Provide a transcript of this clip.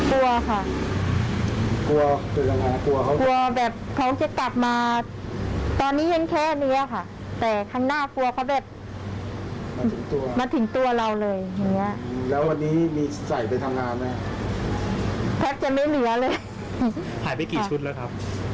รวมแล้วจะตอนนี้มันเมื่อก่อนมีเกือบเป็น๑๐ชุดนะคะ